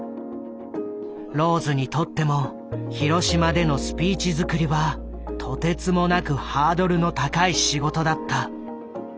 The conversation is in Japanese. ローズにとっても広島でのスピーチづくりはとてつもなくハードルの高い仕事だった。